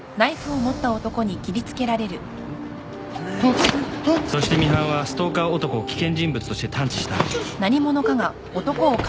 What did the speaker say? んっ？うわあっそしてミハンはストーカー男を危険人物として探知した。